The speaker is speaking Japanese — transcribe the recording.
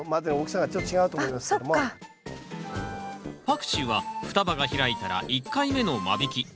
パクチーは双葉が開いたら１回目の間引き。